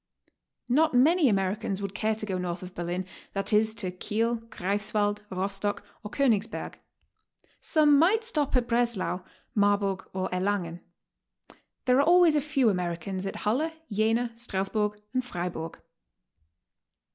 Not many Americans would care to go 'north of Berlin, that is, to Kiel, Greifswald, Rostock, or Koenigsberg. Some HOW TO STAY. i6i might stop at Breslau, Marburg, or Erlangen. There are always a few Americans at Halle, Jena, Strasburg, and Frei burg.